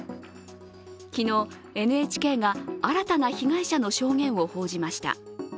昨日、ＮＨＫが新たな被害者の証言を報じました。